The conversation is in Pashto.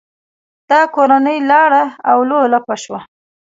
دا کورنۍ لاړه او لولپه شوه.